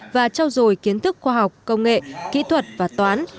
và trao dồi kiến thức khoa học công nghệ kỹ thuật và toán